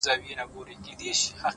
عاجزي دروازې پرانیزي’